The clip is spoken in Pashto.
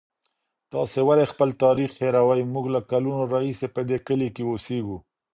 تاسې ولې خپل تاریخ هېروئ؟ موږ له کلونو راهیسې په دې کلي کې اوسېږو.